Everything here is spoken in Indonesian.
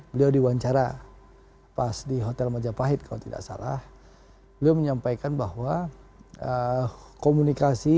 beliau diwawancara pas di hotel majapahit kalau tidak salah beliau menyampaikan bahwa komunikasi